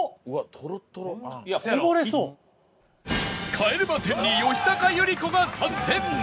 「帰れま１０」に吉高由里子が参戦！